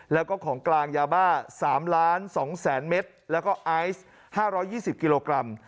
แล้วก็ของกลางยาบ้า๓๒๐๐๐เมตรแล้วก็ไอซ์๕๒๐กิโลกรัม